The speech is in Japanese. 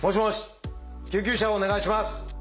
救急車をお願いします。